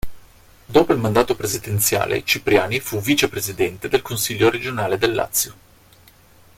Dopo il mandato presidenziale Cipriani fu vice-presidente del Consiglio regionale del Lazio.